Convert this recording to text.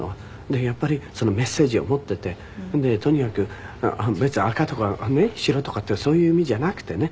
でやっぱりメッセージを持っていてとにかく別に赤とかねっ白とかっていうそういう意味じゃなくてね